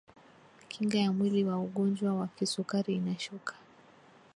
kinga ya mwili wa mgonjwa wa kisukari inashuka